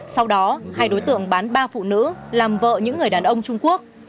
sau đó hai đối tượng bán ba phụ nữ làm vợ những người đàn ông trung quốc